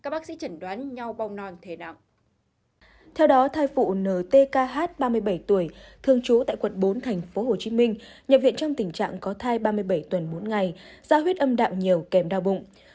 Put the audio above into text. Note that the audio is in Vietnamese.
bệnh viện phụ nở tkh ba mươi bảy tuổi thường trú tại quận bốn tp hcm nhập viện trong tình trạng có thai ba mươi bảy tuần bốn ngày giao huyết âm đạo nhiều kèm đau bụng